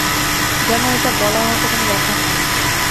যেন এটা বলার মতো কোনো ব্যাপার নয়।